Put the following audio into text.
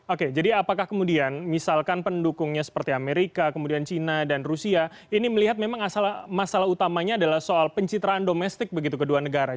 oke jadi apakah kemudian misalkan pendukungnya seperti amerika kemudian cina dan rusia ini melihat memang masalah utamanya adalah soal pencitraan domestik begitu kedua negara